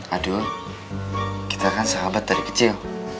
aduh kita kan sahabat dari kecil